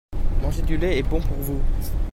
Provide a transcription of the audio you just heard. Manger du lait est bon pour vous.